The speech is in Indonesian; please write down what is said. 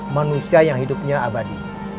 manusia yang hidupnya abadi